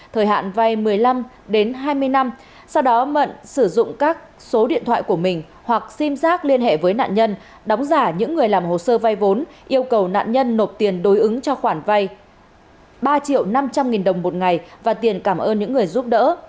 thời hạn vay một mươi năm hai mươi năm sau đó mận sử dụng các số điện thoại của mình hoặc sim giác liên hệ với nạn nhân đóng giả những người làm hồ sơ vay vốn yêu cầu nạn nhân nộp tiền đối ứng cho khoản vay ba triệu năm trăm linh nghìn đồng một ngày và tiền cảm ơn những người giúp đỡ